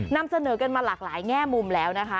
นำเสนอกันมาหลากหลายแง่มุมแล้วนะคะ